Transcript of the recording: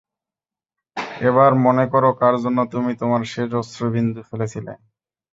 এবার মনে করো কার জন্য তুমি তোমার শেষ অশ্রুবিন্দু ফেলেছিলে।